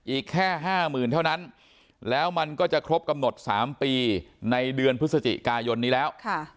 อีกแค่๕๐๐๐เท่านั้นแล้วมันก็จะครบกำหนด๓ปีในเดือนพฤศจิกายนนี้แล้ว